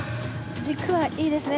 軸はいいですね。